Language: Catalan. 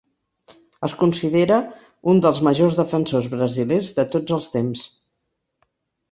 Es considera un dels majors defensors brasilers de tots els temps.